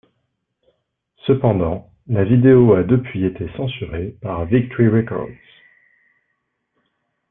Cependant, la vidéo a depuis été censurée par Victory Records.